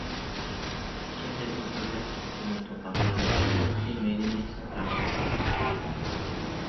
چېھرىدىن ئۆرلەپ تۇرسىمۇ توپا، ئۇتتى مەيلىمنى سەھرا قىزلىرى.